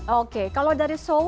oke kalau dari seoul